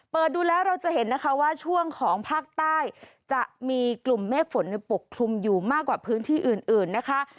เปิดดูแล้วเราจะเห็นนะคะว่าช่วงของภาคใต้จะมีกลุ่มเมฆฝนปกคลุมอยู่มากกว่าพื้นที่อื่นนะคะ